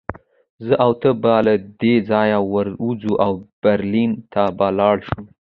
زه او ته به له دې ځایه ووځو او برلین ته به لاړ شو